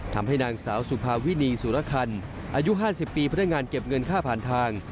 ทำให้นางสาวสุภาวินีสุรคันอายุ๕๐ปีพนักงานเก็บเงินค่าผ่านทาง